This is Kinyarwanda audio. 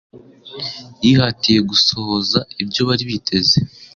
Yihatiye gusohoza ibyo bari biteze